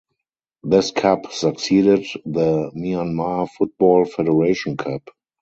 This cup succeeded the Myanmar Football Federation Cup.